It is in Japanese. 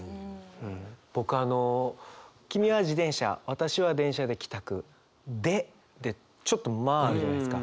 僕あの「君は自転車私は電車で帰宅」「で」でちょっと間あるじゃないですか。